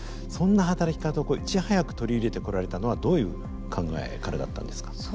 そんな働き方をいち早く取り入れてこられたのはどういう考えからだったんですか。